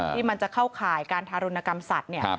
ที่มันจะเข้าข่ายการทารุณกรรมสัตว์เนี่ย